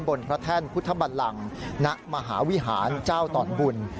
พระแท่นพุทธบันลังณมหาวิหารเจ้าตอนบุญ